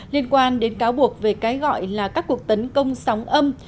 liên quan đến cáo buộc về cái gọi là các cuộc tấn công sóng âm